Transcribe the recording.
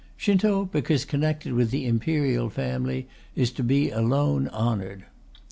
Shinto, because connected with the Imperial family, is to be alone honoured.